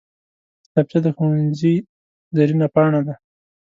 کتابچه د ښوونځي زرینه پاڼه ده